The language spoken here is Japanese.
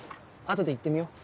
後で行ってみよう。